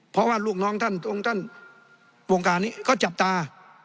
เพราะว่าลูกน้องท่านองค์ท่านวงการนี้ก็จับตา